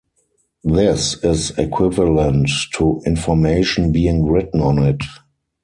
This is equivalent to information being written on it.